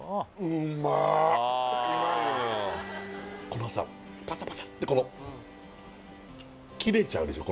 このさパサパサってこの切れちゃうでしょ